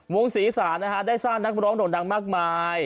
วงศรีศาสตร์ได้สร้างนักบร้องโด่งดังมากมาย